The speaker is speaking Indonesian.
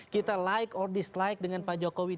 kita like or dislike dengan pak jokowi